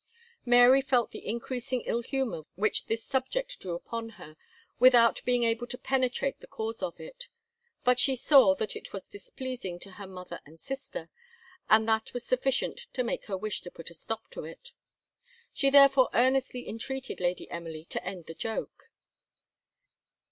Mary felt the increasing ill humour which this subject drew upon her, without being able to penetrate the cause of it; but she saw that it was displeasing to her mother and sister, and that was sufficient to make her wish to put a stop to it. She therefore earnestly entreated Lady Emily to end the joke.